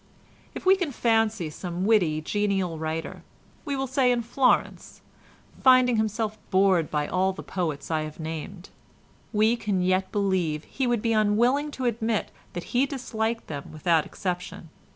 If we can fancy some witty, genial writer, we will say in Florence, finding himself bored by all the poets I have named, we can yet believe he would be unwilling to admit that he disliked them without exception.